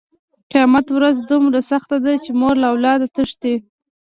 قیامت ورځ دومره سخته ده چې مور له اولاده تښتي.